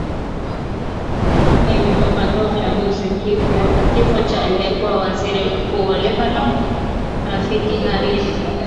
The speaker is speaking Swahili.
tume iliyobuniwa kuchunguza kifo cha aliyekuwa waziri mkuu wa lebanon rafik hariri